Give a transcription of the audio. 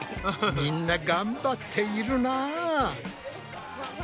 みんながんばっているな。